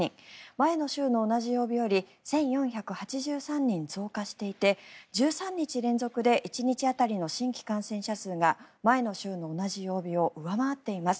前の週の同じ曜日より１４８３人増加していて１３日連続で１日当たりの新規感染者数が前の週の同じ曜日を上回っています。